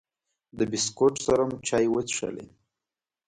د بسکوټ سره مو چای وڅښلې.